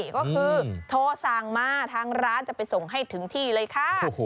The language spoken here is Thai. ก็คือโทรสรรมาทางร้านจะไปส่งให้ถึงที่เลยค่ะโอ้โหดีมาก